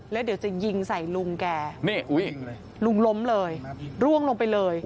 แล้วเดี๋ยวจะยิงใส่ลุงแกนี่อุ้ยลุงล้มเลยร่วงลงไปเลย